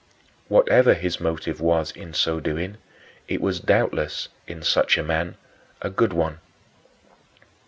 Whatever his motive was in so doing, it was doubtless, in such a man, a good one.